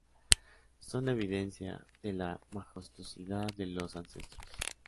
Son evidencia de la majestuosidad de los ancestros.